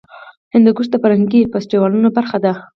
هندوکش د فرهنګي فستیوالونو برخه ده.